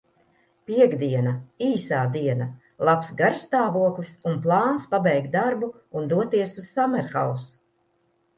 Piektdiena, īsā diena, labs garastāvoklis un plāns pabeigt darbu un doties uz sammerhausu.